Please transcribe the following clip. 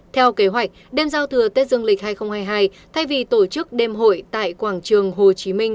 theo kế hoạch đêm giao thừa tết dương lịch hai nghìn hai mươi hai thay vì tổ chức đêm hội tại quảng trường hồ chí minh